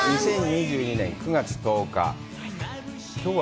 ２０２２年９月１０日。